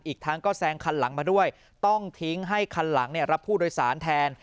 อีกทั้งก็แซงคันหลังมาด้วยต้องทิ้งให้คันหลังรับผู้โดยสารแทน